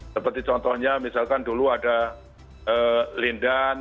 seperti contohnya misalkan dulu ada lindan